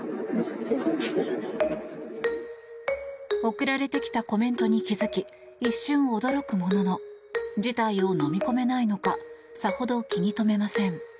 送られてきたコメントに気づき一瞬驚くものの事態をのみ込めないのかさほど気に留めません。